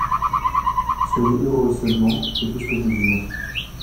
Soyez heureux, seulement, c’est tout ce que je désire.